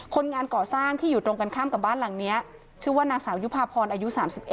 คนงานก่อสร้างที่อยู่ตรงกันข้ามกับบ้านหลังนี้ชื่อว่านางสาวยุภาพรอายุ๓๑